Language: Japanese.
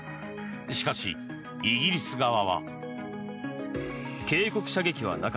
しかし、イギリス側は。